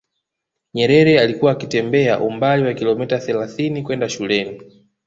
nyerere alikuwa akitembea umbali wa kilometa thelathini kwenda shuleni